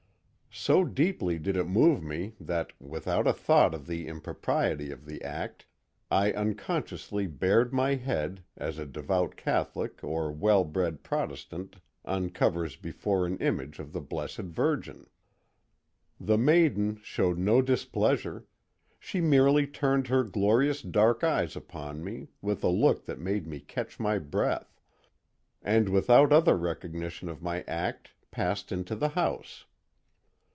So deeply did it move me that, without a thought of the impropriety of the act, I unconsciously bared my head, as a devout Catholic or well bred Protestant uncovers before an image of the Blessed Virgin. The maiden showed no displeasure; she merely turned her glorious dark eyes upon me with a look that made me catch my breath, and without other recognition of my act passed into the house.